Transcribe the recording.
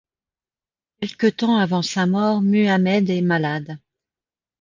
Quelque temps avant sa mort Muhammed est malade.